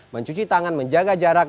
mencuci tangan menjaga jarak